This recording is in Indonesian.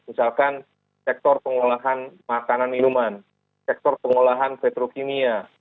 misalkan sektor pengolahan makanan minuman sektor pengolahan petrokimia